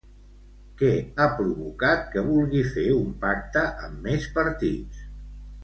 Què ha provocat que vulgui fer un pacte amb més partits?